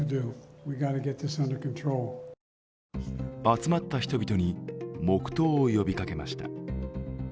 集まった人々に黙とうを呼びかけました。